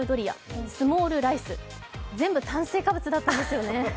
全部、炭水化物だったんですよね。